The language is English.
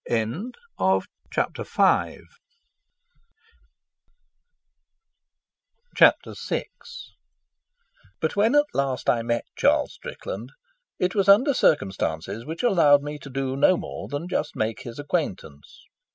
Chapter VI But when at last I met Charles Strickland, it was under circumstances which allowed me to do no more than just make his acquaintance.